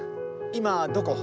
今、どこ？